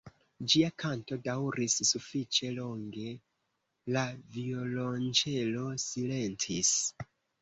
Ĝia kanto daŭris sufiĉe longe, la violonĉelo silentis.